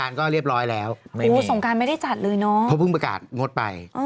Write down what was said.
เพราะพูดประกาศงดไป